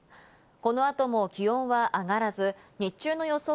この後も気温は上がらず、日中の予想